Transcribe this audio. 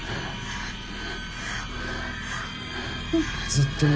ずっと昔。